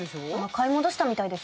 買い戻したみたいですよ。